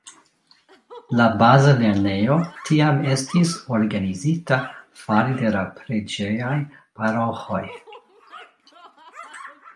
La baza lernejo tiam estis organizita fare de la preĝejaj paroĥoj.